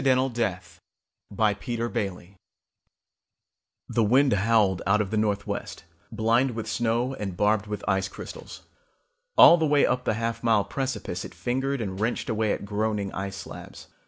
_ Illustrated by Schoenherr The wind howled out of the northwest, blind with snow and barbed with ice crystals. All the way up the half mile precipice it fingered and wrenched away at groaning ice slabs.